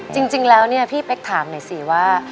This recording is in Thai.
จริงแล้วเนี่ยพี่เป๊กถามหน่อยสิว่า